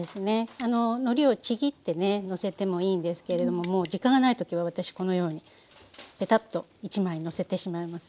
のりをちぎってねのせてもいいんですけれども時間がない時は私このようにぺたっと１枚のせてしまいます。